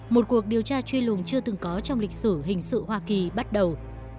một cuộc điều tra truy lùng chưa từng có trong lịch sử hình sự hoa kỳ bắt đầu